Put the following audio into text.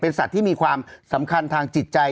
สัตว์ที่มีความสำคัญทางจิตใจ